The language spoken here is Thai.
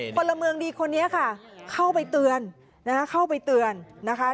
พลเมืองดีคนนี้ค่ะเข้าไปเตือนนะคะเข้าไปเตือนนะคะ